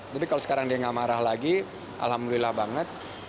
tapi kalau sekarang dia nggak marah lagi alhamdulillah banget